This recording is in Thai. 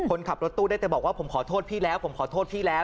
คนขับรถตู้ได้แต่บอกว่าผมขอโทษพี่แล้วผมขอโทษพี่แล้ว